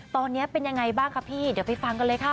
ตอนนี้เป็นยังไงบ้างคะพี่เดี๋ยวไปฟังกันเลยค่ะ